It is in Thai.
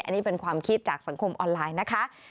อันนี้เป็นความคิดจากสังคมออนไลน์นะคะ